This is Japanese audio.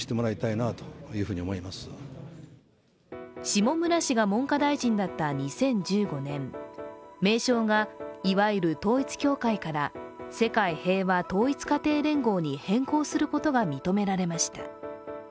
下村氏が文科大臣だった２０１５年名称が、いわゆる統一教会から世界平和統一家庭連合に変更することが認められました。